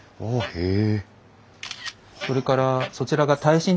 へえ！